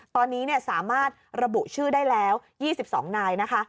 ตอนนี้สามารถระบุชื่อได้แล้ว๒๒นายนะคะ